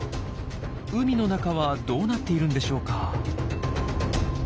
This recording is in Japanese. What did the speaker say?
海の中はどうなっているんでしょうか？